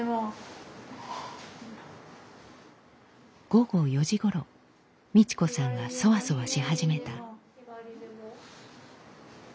午後４時ごろミチ子さんがそわそわし始めた。